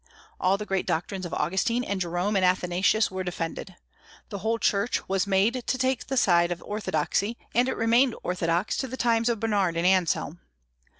All the great doctrines of Augustine and Jerome and Athanasius were defended. The whole Church was made to take the side of orthodoxy, and it remained orthodox to the times of Bernard and Anselm.